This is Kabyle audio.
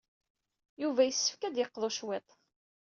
Yuba yessefk ad d-yeqḍu cwiṭ.